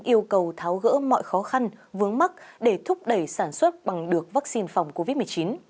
yêu cầu tháo gỡ mọi khó khăn vướng mắt để thúc đẩy sản xuất bằng được vaccine phòng covid một mươi chín